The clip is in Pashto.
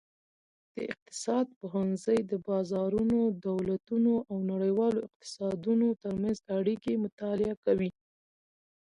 د اقتصاد پوهنځی د بازارونو، دولتونو او نړیوالو اقتصادونو ترمنځ اړیکې مطالعه کوي.